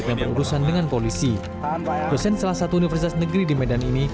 tapi saya sebenarnya di sini tidak ada permaksud apa apa